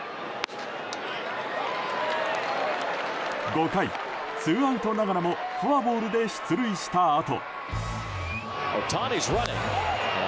５回ツーアウトながらもフォアボールで出塁したあと。